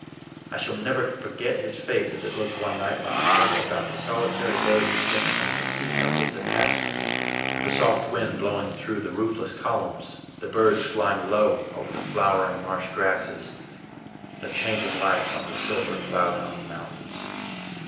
I shall never forget his face as it looked one night when he told me about the solitary day he spent among the sea temples at Paestum: the soft wind blowing through the roofless columns, the birds flying low over the flowering marsh grasses, the changing lights on the silver, cloud hung mountains.